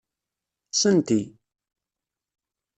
Senti!